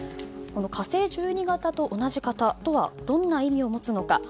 「火星１２型」と同じ型とはどんな意味を持つのか。